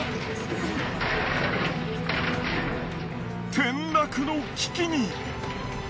転落の危機に。